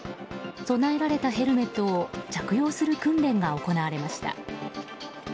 備えられたヘルメットを着用する訓練が行われました。